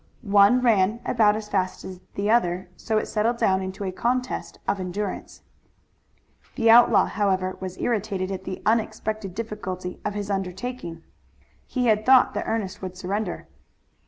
One ran about as fast as the other, so it settled down into a contest of endurance. The outlaw, however, was irritated at the unexpected difficulty of his undertaking. He had thought that Ernest would surrender.